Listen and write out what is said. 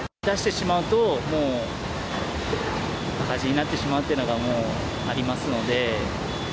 出してしまうと、もう、赤字になってしまうというのがもうありますので。